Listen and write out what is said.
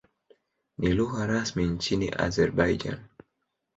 Ni lugha rasmi nchini Azerbaijan.